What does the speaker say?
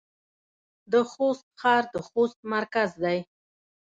د خوست ښار د خوست مرکز دی